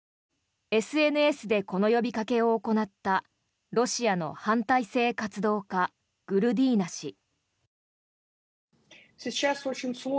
ＳＮＳでこの呼びかけを行ったロシアの反体制活動家グルディーナ氏。